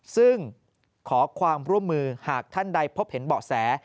ซึ่งขอความร่วมมือหากท่านใดพบเห็นเบาะแส